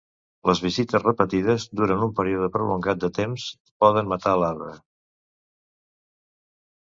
Les visites repetides durant un període prolongat de temps poden matar l'arbre.